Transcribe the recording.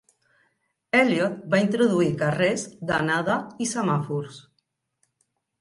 Elliott va introduir carrers d'anada i semàfors.